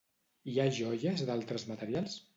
Hi ha joies d'altres materials?